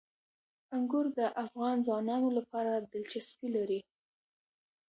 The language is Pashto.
انګور د افغان ځوانانو لپاره دلچسپي لري.